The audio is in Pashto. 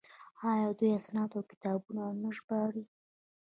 آیا دوی اسناد او کتابونه نه ژباړي؟